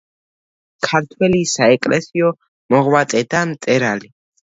ქართველი საეკლესიო მოღვაწე და მწერალი.